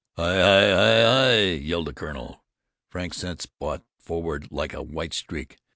"Hi! Hi! Hi! Hi!" yelled the Colonel. Frank sent Spot forward like a white streak.